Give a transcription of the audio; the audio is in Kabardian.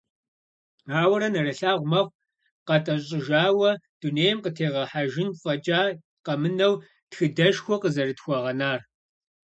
Ауэрэ нэрылъагъу мэхъу къэтӏэщӏыжауэ дунейм къытегъэхьэжын фӏэкӏа къэмынэу, тхыдэшхуэ къызэрытхуагъэнар.